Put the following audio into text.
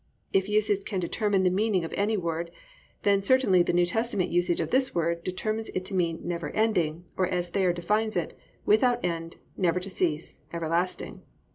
If usage can determine the meaning of any word then certainly the New Testament use of this word determines it to mean never ending, or, as Thayer defines it, "without end, never to cease, everlasting."